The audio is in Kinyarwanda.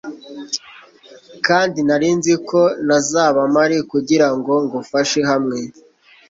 kandi nari nzi ko ntazaba mpari kugirango ngufashe hamwe